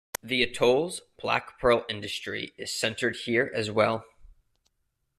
The atoll's black pearl industry is centered here as well.